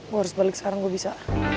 gue harus balik sekarang gue bisa